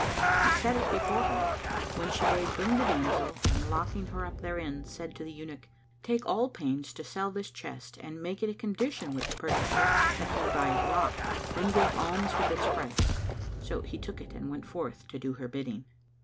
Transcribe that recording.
He set it before her, when she bade bring the damsel and locking her up therein, said to the Eunuch, "Take all pains to sell this chest and make it a condition with the purchaser that he buy it locked; then give alms with its price." [FN#233] So he took it and went forth, to do her bidding.